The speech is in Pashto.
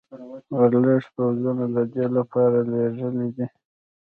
ورلسټ پوځونه د دې لپاره لېږلي دي.